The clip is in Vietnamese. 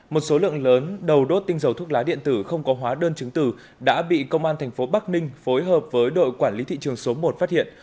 một số lượng lớn đầu đốt tinh dầu thuốc lá điện tử không có hóa đơn chứng tử đã bị công an tp bắc ninh phối hợp với đội quản lý thị trường số một phát hiện